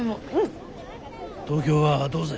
東京はどうぜ？